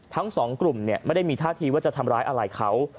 ทั้งสองกลุ่มไม่ได้มีท่าทีว่าจะทำร้ายอะไรเขา